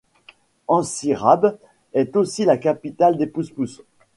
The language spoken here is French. Antsirabe est aussi la capitale des pousse-pousse.